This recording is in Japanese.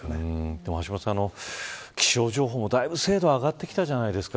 でも橋下さん、気象情報もだいぶ精度が上がってきたじゃないですか。